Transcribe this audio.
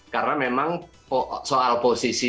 karena memang soal posisi